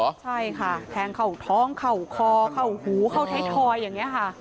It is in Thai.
ใช่ค่ะแทงเข้าท้องเข้าคอเข้าหูเข้าไทยทอยอย่างนี้ค่ะ